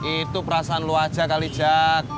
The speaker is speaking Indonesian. itu perasaan lu aja kali jat